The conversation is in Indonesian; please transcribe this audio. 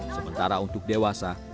sementara untuk dewasa